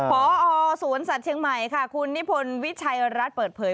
พอสวนสัตว์เชียงใหม่ค่ะคุณนิพนธ์วิชัยรัฐเปิดเผย